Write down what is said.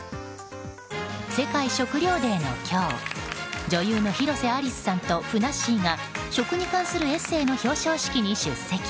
世界食料デーの今日女優の広瀬アリスさんとふなっしーが食に関するエッセーの表彰式に出席。